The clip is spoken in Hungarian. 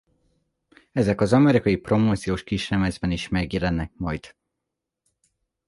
Ezek az amerikai promóciós kislemezben is megjelennek majd.